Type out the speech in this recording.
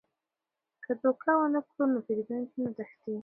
که دوکه ونه کړو نو پیرودونکي نه تښتي.